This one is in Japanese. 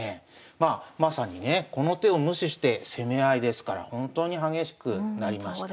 まあまさにねこの手を無視して攻め合いですから本当に激しくなりました。